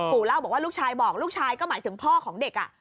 เล่าบอกว่าลูกชายบอกลูกชายก็หมายถึงพ่อของเด็ก